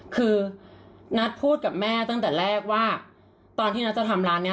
คือนัทพูดกับแม่ตั้งแต่แรกว่าตอนที่นัทจะทำร้านนี้